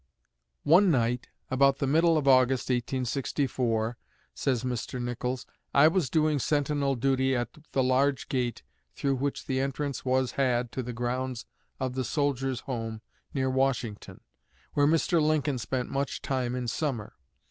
"One night, about the middle of August, 1864," says Mr. Nichols, "I was doing sentinel duty at the large gate through which entrance was had to the grounds of the Soldiers' Home, near Washington, where Mr. Lincoln spent much time in summer.